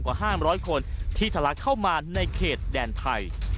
กว่า๕๐๐คนที่ทะลักเข้ามาในเขตแดนไทย